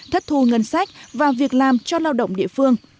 thất thu ngân sách và việc làm cho lao động địa phương